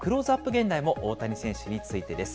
現代も大谷選手についてです。